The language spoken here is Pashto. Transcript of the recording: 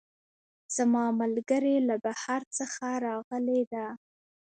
زما ملګرۍ له بهر څخه راغلی ده